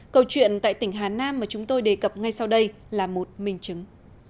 câu chuyện tại tỉnh hà nam mà chúng tôi đề cập ngay sau đây là một minh chứng